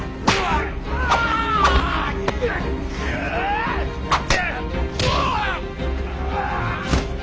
ああ！